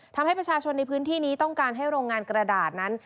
ทำให้ประชาชนในพื้นที่นี้ต้องการให้โรงงานกระดาษนั้น